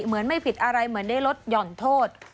เหมือนไม่ผิดอะไรเหมือนได้รถหย่อนโทษ